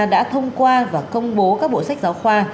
đã thông qua và công bố các bộ sách giáo khoa